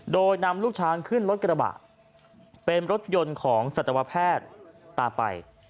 โดยนำลูกช้างขึ้นรถกระบะเป็นรถยนต์ของสัตวแพทย์ตามไป